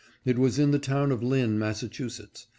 It was in the town of Lynn, Massachu setts.